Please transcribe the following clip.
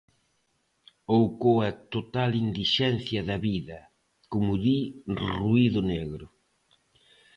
Ou coa "total indixencia da vida", como di 'Ruído negro'.